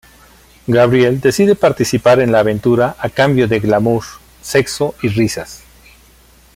Gabriel decide participar en la aventura a cambio de glamour, sexo y risas.